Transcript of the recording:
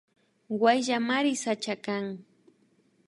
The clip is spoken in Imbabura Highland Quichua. Wayllamari sachaka kan